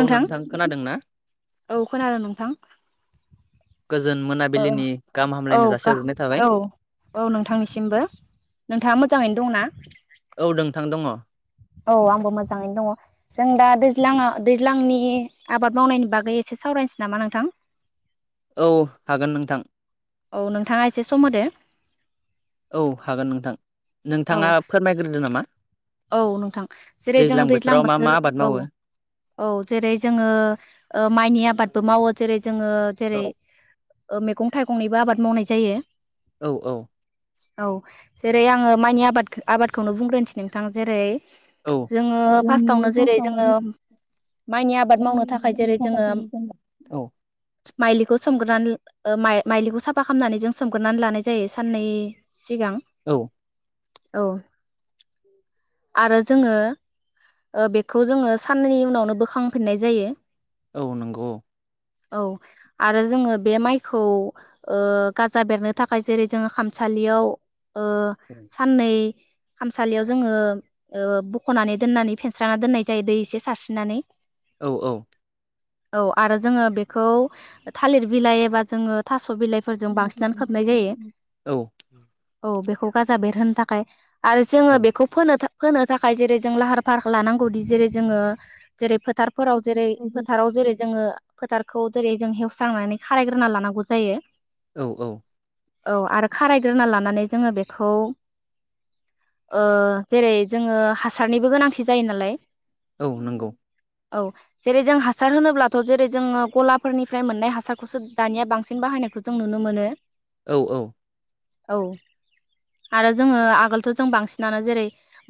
औ नोंथां खोनादों ना? औ खोनादों नोंथां। गोजोन ओ मोनाबिलिनि गाहाम औ हामलायनाय गा जासिहरग्रोनाय थाबाय। औ नोंथांनिसिमबो। नोंथाङा मोजाङैनो दंना? औ नोंथां दङ औ आंबो मोजाङैनो दङ जों दा दैज्लाङा दैज्लांनि आबाद मावनायनि बागै एसे सावरायनोसै नामा नोंथां? औ हागोन नोंथां। औ नोंथाङा एसे सम होदो। औ हागोन नोंथां औ नोंथाङा फोरमायग्रोदो नामा। औ नोंथां जेरै जोङो दैज्लां बोथोराव मा मा बोथोर आबाद औ मावो? औ जेरै जोङो ओ माइनि आबाद बो मावो जेरै जोङो जेरै औ मैगं थाइगंनिबो आबाद मावनाय जायो। औ औ औ जेरै आङो माइनि आबाद आबादखौनो बुंग्रोनोसै नोंथां जेरै औ जोङो फार्स्टावनो जेरै जोङो माइनि आबाद मावनो थाखाय जेरै जोङो औ माइलिखौ सोमगोरोनानै मा-माइलिखौ साफा खालामनानै जों सोमगोरोनानै लानाय जायो साननै सिगां औ औ आरो जोङो ओ बेखौ जोङो साननैनि उनावनो बोखांफिननाय जायो। औ नंगौ। औ आरो जोङो बे माइखौ ओ गाजा बेरनो थाखाय जेरै जोङो खामसा सालियाव ओ औ साननै खाम सालियाव जोङो ओ बख'नानै दोननानै फेनस्रा दोननाय जायो दै एसे सारस्रिनानै। औ औ औ आरो जोङो बेखौ थालिर बिलाइ एबा जोङो थस' बिलाइजों बांसिननानै खोबनाय जायो औ औ बेख खौ गाजा बेरहोनो थाखाय आरो जोङो बेखौ फोनो था फोनो थाखाय जेरै जों लाहार फाहार लानांगौदि जेरै जोङो जेरै फोथारफोराव जेरै फोथाराव जेरै जोङो फोथारखौ जेरै जों हेवस्रांनानै खारायग्रोना लानांगौ जायो। औ औ औ आरो खारायग्रोना लानानै जोङो बेखौ ओ जेरै जोङो हासारनिबो गोनांथि जायो नालाय। औ नंगौ औ जेरै जों हासार होनोब्लाथ' जेरै जोङो गलाफोरनिफ्राय मोननाय हासारखौसो दानिया बांसिन बाहाय नायखौ जों नुनो मोनो। औ औ औ आरो जोङो आगोलथ' जों बांसिन नानो जेरै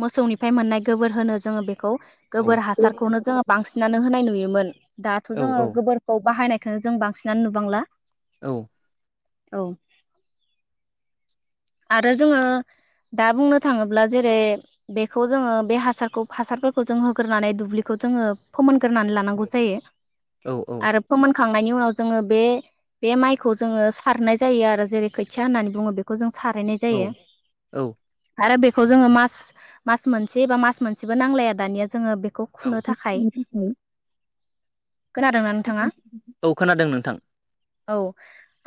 मोसौनिफ्राय मोननाय गोबोर होनो जोङो बे खौ गोबोर हासारखौनो जोङो बांसिनानो होनाय नुयोमोन दाथ' औ जोङो औ गोबोरखौ बाहायनाय खोंनो जों बांसिनानो नुबांला। औ औ आरो जोङो दा बुंनो थाङोब्ला जेरै बेखौ जोङो बे हासारखौ हासारफोरखौ जों होग्रोनानै दुब्लिखो जोङो फोमोनग्रोनानै लानांगौ जायो आरो फोनखांनायनि उनाव जोङो बे बे माइखौ जोङो सारनाय जायो आरो जेरै खोथिया होननानै बुङो बेखौ जों गायनाय औ जायो औ। आरो बेफ फोरखौ जोङो मास मास मोनसे बा मास मोनसेबो नांलाया दानिया जोङो बेख खौ खुनो थाखाय। खोनादोंना नोंथाङा औ खोनादों नोंथां। औ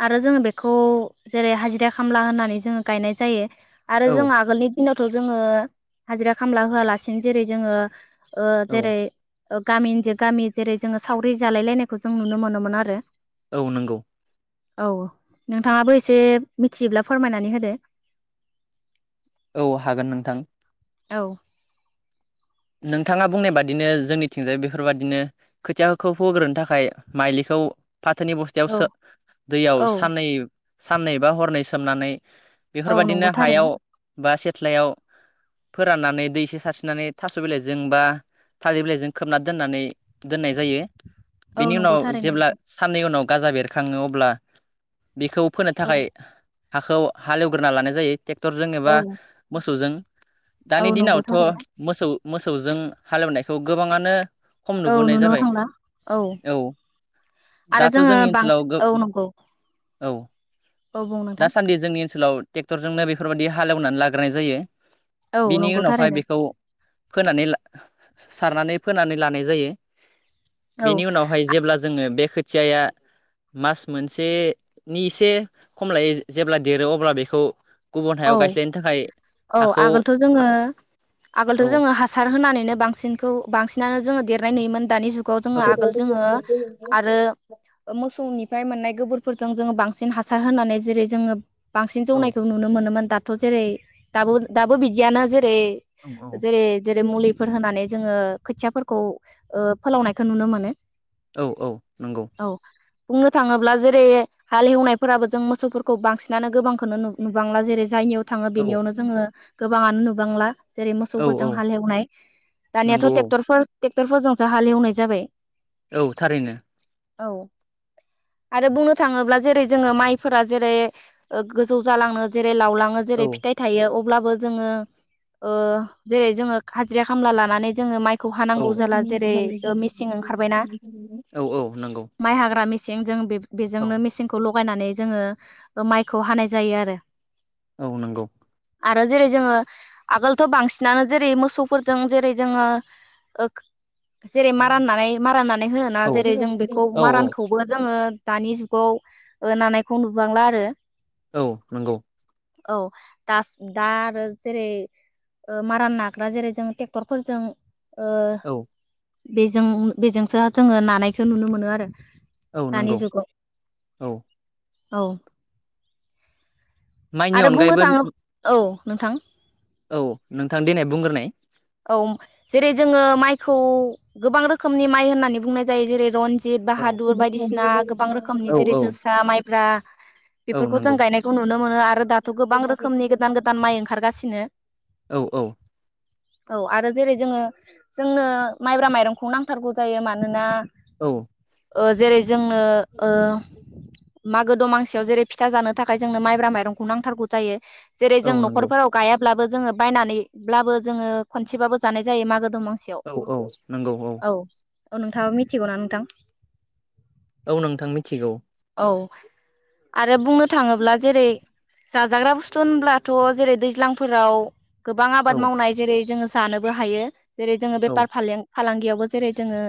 आरो जोङो बेखौ जेरै हाजिरा खामला होननानै जोङो गायनाय जायो। आरो जों औ आगोलनि दिनावथ' जोङो हाजिरा खामला होआलासिनो जेरै जोङो ओ औ जेरै ओ गामिनिजों गामि जेरै जोङो सावरि जालायलायनायखौ जों नुनो मोनोमोन आरो। औ नंगौ। औ नोंथाङाबो एसे मिथियोब्ला फोरमायनानै होदो। औ हागोन नोंथां। औ। नोंथाङा बुंनाय बादिनो जोंनिथिंजाय बेफोरबादिनो खोथियाखौ फोग्रोनो थाखाय माइलिखौ फाथोनि बस्थायाव औ सो दैयाव औ साननै साननै बा हरनै सोमनानै औ नंगौ बेफोरबायादिनो थारैनो हायाव बा सेथ्लायाव फोराननानै दै एसे सारस्रिनानै थास' बिलाइजों बा थालिर बिलाइजों खोबना दोननानै दोननाय जायो। औ बेनि नंगौ उनाव थारैनो जेब्ला नोंथां। साननै उनाव गाजा बेरखाङो अब्ला। बेखौ फोनो औ थाखाय हाखौ हालेवग्रोना लानाय जायो ट्रेक्टरजों औ एबा मोसौजों। औ दानि नंगौ दिनावथ' थारैनो मोसौ मोसौजों हालेवनायखौ गोबाङानो खम औ नुबोनाय नुनो जाबाय थांला औ। आरो दाथ' जोङो जोंनि ओनसोलाव बांसिन गो औ नंगौ औ औ बुं नोंथां दासान्दि जोंनि ओनसोलाव टेक्टरजोंनो बेफोरबायाददि हालेवनानै लाग्रोनाय जायो। औ बिनि नंगौ उनावहाय थारैनो बेखौ फोनानै ला सारनानै फोनानै लानाय जायो। औ बेनि उनावहाय जेब्ला जोङो बे खोथियाया मास मोनसेनि एसे खम लायो जेब्ला देरो अब्ला बेखौ गुबुन औ हायाव गायस्लायनो थाखाय औ हाखौ आगोलथ' जोङो आगोल औ जोङो हासार होनानैनो बांसिनखौ बांसिनानो जोङो देरनाय नुोमोन दानि जुग खो औ जोङो आगोल जोङो आरो मोसौनि फ्राय मोननाय गोबोरफोरजों जोङो बांसिन हासार होनानै जेरै जोङो बांसिन औ जौनायखौ नु मोनोमोन दाथ' जेरै दाबो दाबो बिथिंयावनो जे रै औ जेरै जेरै मुलिफोर होनानै जोङो खोथियाफोरखौ फोलावनायखौ नुनो मोनो औ औ नंगौ। औ बुंनो थाङोब्ला जेरै हाल एवनायफोराबो जों मोसौफोरखौ बांसिनानो गोबांखौनो नुबोयो नुबांला जेरै जायनियाव थाङो औ बेनियावनो जोङो गोबाङानो नुबांला। जेरै औ औ मोसौफोरजों हालेवनाय दानियाथ' नंगौ औ ट्रेक्टरफोर ट्रेक्टरफोरजोंसो हालेवनाय जाबाय। औ थारैनो। औ आरो बुंनो थाङोब्ला जेरै जोङो माइफोरा जेरै गोजौ जालाङो जेरै लावलाङो औ जेरै फिथाइ थायो अ अल्बाबो जोंडो़ ओ जेरै जोंगोन खामला लानानै माइ खौ औ हानांगौ जाला जेरै मिसिं ओंखारबायना। औ औ नंगौ माइ हाग्रा मेसिं जों बे औ बेजोंनो मेसिनखौ लगायनानै जोङो माइखौ हानाय जायो आरो। औ नंगौ। आरो जेरै जोङो आगोलथ' बांसिनानो जेरै मोसौफोरजों जेरै जोङो ओ जेरै मारान नानै माराननानै होनना औ जेरै जों बेखौ औ मारानखौबो जोङो दानि जुगाव नानायखौ नुबांला आरो औ नंगौ। औ दा दा आरो जेरै मारा नाग्रा जेरै जों ट्रेक्टरफोरजों औ बेजों बेजोंसो जोङो नानायखौ नुनो मोनो आरो औ दानि नंगौ जुगाव औ। औ। माइनि आरो बुंनो अनगायैबो थाङोब्ला औ नोंथां। औ नोंथां दिनै बुंग्रोनाय। जेरै जोङो माइखौ गोबां रोखोमनि माइ होननानै बुंनाय जायो जेरै रन जित औ बाहादुर बायदिसिना गोबां रोखोमनि औ जेरै औ जोसा माइब्रा औ बेफोरखौ जों नंगौ गायनायखौ नुनो मोनो आरो दाथ' गोबां रोखोमनि गोदान गोदान माइ ओंखारगासिनो। औ औ। औ आरो जेरै जोङो जोंनो माइब्रा माइरंखौ नांथारगौ जायो मानोना औ। ओ जेरै जोंनो मागो दमासियाव जेरै फिथा जानो थाखाय जोंनो माइब्रा माइरंखौ नांथारगौ जायो जेरै औ जों नंगौ न'खरफोराव गाया ब्लाबो जोङो बायनानैब्लाबो जोङो खनसेबाबो जानाय जायो मागो दमासियाव औ औ नंगौ औ औ नोंथाङा मिथिगौ ना नोंथां? औ नोंथां मिथिगौ। औ आरो बुंनो थाङोब्ला जेरै जाजाग्रा बुस्थु होनब्लाथ' जेरै दैज्लांफोराव गोबां औ आबाद मावनाय जेरै जोङो जानोबो हायो जेरै जोङो औ बेफार फालें फालांगियावबो जेरै जोङो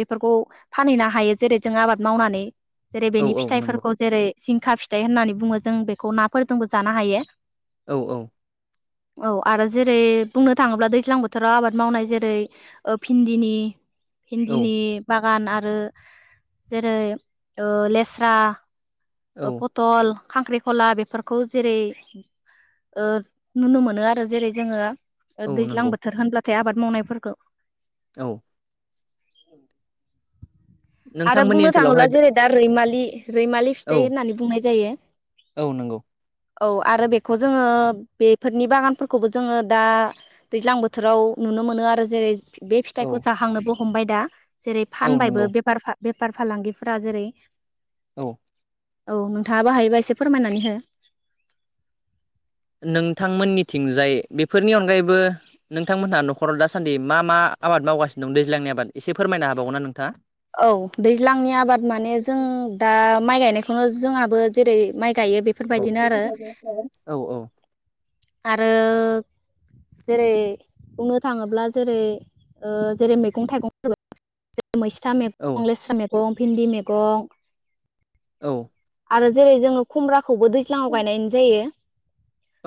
बेफोरखौ फानहैनो हायो जेरै जों आबाद मावनानै जेरै औ बेनि औ नंगौ फिथाइफोरखौ जेरै जिंखा फिथाइ होननानै बुङो जों बेखौ नाफोरजोंबो जानो हायो। औ औ। औ आरो जेरै बुंनो थाङोब्ला दैज्लां बोथोराव आबाद मावनाय जेरै ओ भिन्दिनि औ भिन्दिनि बा बागान आरो जेरै ओ लेस्रा औ पतल खांख्रिखला बेफोरखौ जेरै ओ नुनो मोनो आरो जेरै जोङो औ दैज्लां नंगौ बोथोर होनब्लाथाय आबाद मावनायफोरखौ औ। [inaudible] आरो नोंथांमोननि बुंनो थाङोला ओनसोलावहाय जेरै दा रैमालि लि रैमालि औ फिथाइ होननानै बुंनाय जायो। औ नंगौ औ आरो बेखौ जोङो बेफोरनि बागानफोरखौबो जोङो दा दैज्लां बोथोराव नुनो नुनो मोनो आरो जेरै बे औ फिथाइखौ जाहांनोबो हमबाय दा। जेरै औ फानबायबो नंगौ बेफार फा बेफार फालांगिफोरा जेरै औ। औ नोंथाङाबो हायोबा एसे फोरमायनानै हो। नोंथांमोननिथिंजाय बेफोरनि अनगायैबो नोंथांमोनहा न'खराव दासान्दि मा मा आबाद मावगासिनो दं दैज्लांनि आबाद एसे फोरमायना हाबावगोना नोंथाङा? औ दैज्लांनि आबाद माने जों दा माइ गायनायखौनो जोंहाबो जेरै माइ गायो औ बेफोरबायदिनो आरो औ आरो जेरै बुंनो थाङोब्ला जेरै ओ जेरै मैगं थाइगंफोर मैस्था औ मैगं लेस्रा मैगं भिन्दि मैगं औ। आरो जेरै जोङो खुमब्राखौबो दैज्लाङाव गायनाय जायो‌।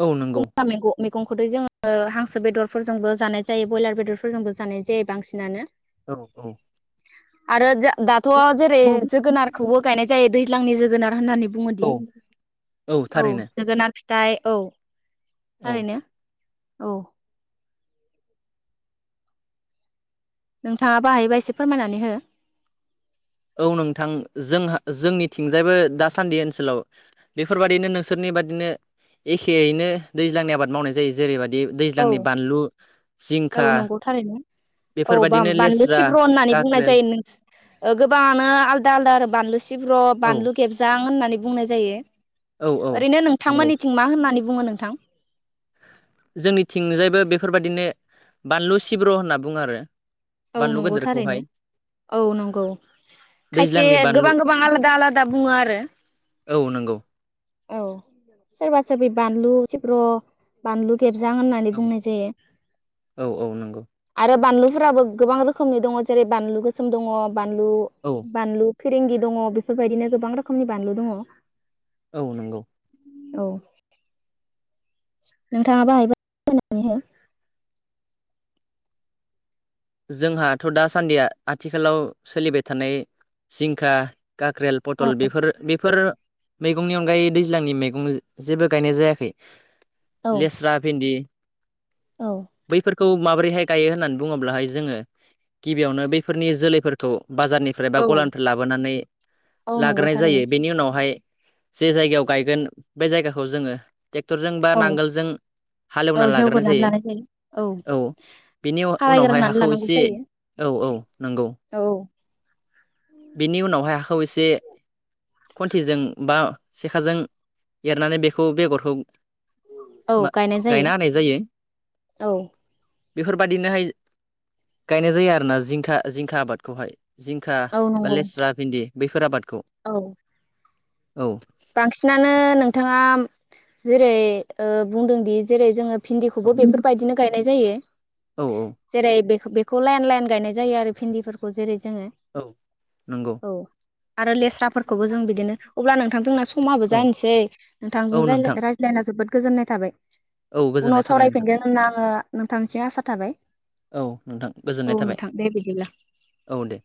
औ नंगौ। [unintelligible] मैगंखौ दै जोङो हांसो बेदरफोरजोंबो जानाय जायो बयलार बेदरफोरजोंबो जानाय जायो बांसिनानो औ औ। आरो दाथ' जेरै जोगोनारखौबो गायनाय जायो दैज्लांनि जोगोनार होननानै बुङोदि औ औ जोगोनार फिथ थाइ औ औ थारैनो औ‌। नोंथाङाबो हायोबा एसे फोरमायनानै हो। औ नोंथां जोंहा जोंनिथिंजायबो दासान्दि ओनसोलाव बेफोरबायदिनो नोंसोरनि बादिनो एखेैयैनो दैज्लांनि आबाद मावनाय जायो जेरैबादि दै औ दैज्लांनि बानलु औ जिंखा नंगौ थारैनो औ बाम बेफोरबायदिनो बानलु लेस्रा सिब्र' होननानै बुंनाय काक्रेल जायो। नोंस ओ गोबाङानो आलदा आलदा आरो बानलु सिब्र', औ बानलु गेबजां होननानै बुंनाय जायो। औ औ ओरैनो नंगौ नोंथांमोननिथिं मा होननानै बुङो नोंथां? जोंनिथिंजायबो बेफोरबादिनो बानलु सिब्र' होनना बुङो आरो। औ बानलु नंगौ थारैनो गोदोरखौहाय। औ नंगौ। दैज्लांनि खायसेगोबां बानलु गोबां आलादा आलादा बुङो आरो। औ नंगौ। औ सोरबा सोरबि बानलु सिब्र', बानलु खेबजां होननानै बुंनाय जायो औ औ नंगौ आरो बानलुफोराबो गोबां रोखोमनि दङ जेरै बानलु गोसोम दङ, बानलु औ बानलु फिरिंगि दङ बेफोरबायदिनो गोबां रोखोमनि बानलु दङ। औ नंगौ औ। नोंथाङाबो हायोबा [inaudible] नानै हो। जोंहाथ' दासान्दिया आथिखालाव सोलिबाय थानाय जिंखा काक्रेल, पटल बेफोर बेफोर मैगंनि अनगायै दैज्लांनि मैगं जेबो गायनाय जायाखै। औ लेस्रा, भिन्दि औ बैफोरखौ माबोरैहाय गायो होननानै बुङोब्लाहाय जोङो गिबियावनो बैफोरनि जोलैफोरखौ बाजारनिफ्राय बा औ गलानिफ्राय लाबोनानै औ नंगौ लाग्रोनाय जायो। थारैनो बेनि उनावहाय जे जायगायाव गायगोन बे जायगाखौ जोङो टेक्टरजों बा औ नांगोलजों औ हालेवनानै लाग्रोनाय हेवग्रोनानै जायो। लानाय जायो औ बिनि उनावहाय हा खारायग्रोनानै खौ लानांगौ एसे जायो औ औ नंगौ। औ बेनि उनावहाय हाखौ एसे खन्थिजों बा सेखाजों एरनानै बेखौ बेगरखौ औ मा गायनाय गायना होनाय जायो। औ बेफोरबादिनोहाय गायनाय जायो आरो ना जिंखा जिंखा आबादखौहाय। जिंखा औ बा नंगौ लेस्रा भिन्दि बैफोर आबाद औ। औ। बांसिनानो नोंथाङा जेरै ओ बुंदोंदि जेरै जोङो औ भिन्दिखौबो बेफोरबायदिनो गायनाय जायो। औ जेरै बे बेखौ लाइन लाइन गायनाय जायो आरो भिन्दिफोरखौ जेरै जोङो औ नंगौ औ। आरो लेस्राफोरखौबो जों बिदिनो, अब्ला नोंथांजोंना समाबो औ जानोसै औ नोंथांजों नोंथां रायलाय रायज्लायला जोबोद गोजोननाय थाबाय। औ गोजोननाय उनाव थाबाय नोंथां सावरायफिनगोन होनना आङो नोंथांनिसिम आसा थाबाय। औ नोंथां गोजोननाय औ थाबाय। नोंथां दे बिदिब्ला। औ दे।